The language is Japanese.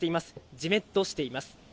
じめっとしています。